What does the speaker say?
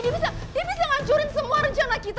dia bisa dia bisa ngancurin semua rencana kita